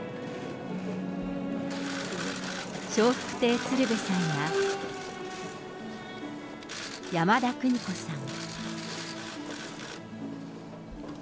笑福亭鶴瓶さんや、山田邦子さん。